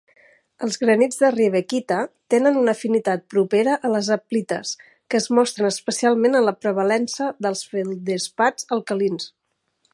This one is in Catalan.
Els granits de riebeckita tenen una afinitat propera a les aplites, que es mostren especialment en la prevalença de feldespats alcalins.